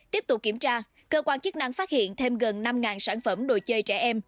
tiếp tục kiểm tra cơ quan chức năng phát hiện thêm gần năm sản phẩm đồ chơi trẻ em